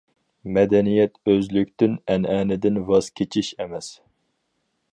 مەدەنىيەت ئۆزلۈكتىن، ئەنئەنىدىن ۋاز كېچىش ئەمەس.